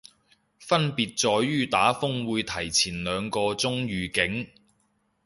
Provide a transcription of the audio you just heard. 分別在於打風會提早兩個鐘預警